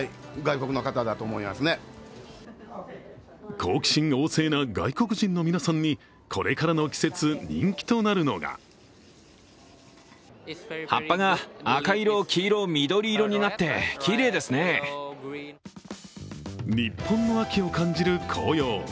好奇心旺盛な外国人の皆さんにこれからの季節、人気となるのが日本の秋を感じる紅葉。